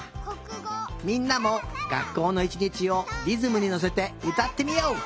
みんなもがっこうのいちにちをリズムにのせてうたってみよう。